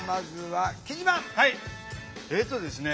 えっとですね